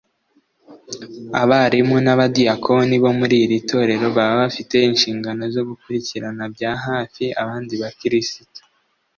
Abarimu n’abadiyakoni muri iri torero baba bafite inshingano zo gukurikirana bya hafi abandi bakirisitu